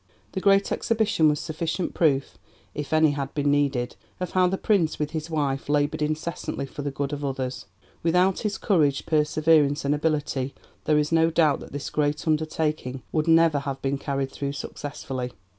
The Great Exhibition was sufficient proof if any had been needed of how the Prince with his wife laboured incessantly for the good of others. Without his courage, perseverance, and ability there is no doubt that this great undertaking would never have been carried through successfully.